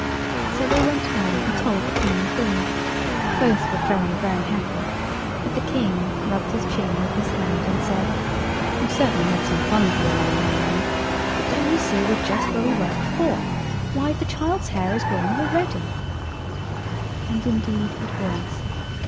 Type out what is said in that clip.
So they went home and told the King and Queen. Both were very, very happy, but the King rubbed his chin with his hand, and said— "You've certainly had some fun for your money, young man, but don't you see that we're just where we were before? Why, the child's hair is growing already." And indeed it was.